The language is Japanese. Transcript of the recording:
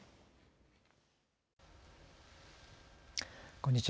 こんにちは。